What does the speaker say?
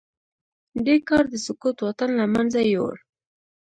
دې کار د سکوت واټن له منځه يووړ.